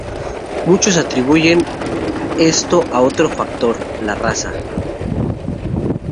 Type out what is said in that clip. Muchos atribuyen esto a otro factor: la raza.